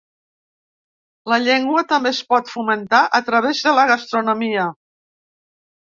La llengua també es pot fomentar a través de la gastronomia.